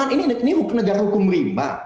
ini negara hukum rimba